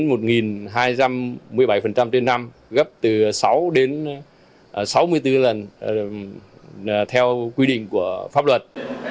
tổng số tiền cho vay là hơn hai trăm một mươi bảy trên năm gấp từ sáu đến sáu mươi bốn lần theo quy định của pháp luật